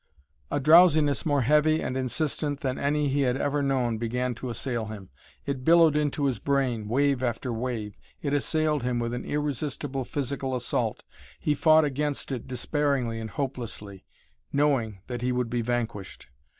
A drowsiness more heavy and insistent than any he had ever known began to assail him. It billowed into his brain, wave after wave. It assailed him with an irresistible, physical assault. He fought against it despairingly and hopelessly, knowing that he would be vanquished.